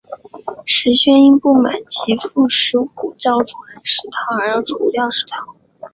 石宣因不满其父石虎较宠爱石韬而要除掉石韬。